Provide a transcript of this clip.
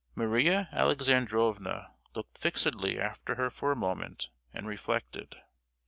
Maria Alexandrovna looked fixedly after her for a moment, and reflected.